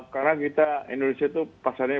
karena kita indonesia itu pasarnya